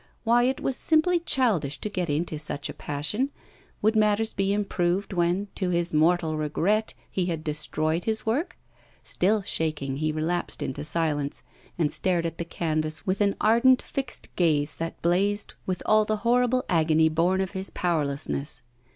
Why, it was simply childish to get into such a passion. Would matters be improved when, to his mortal regret, he had destroyed his work? Still shaking, he relapsed into silence, and stared at the canvas with an ardent fixed gaze that blazed with all the horrible agony born of his powerlessness.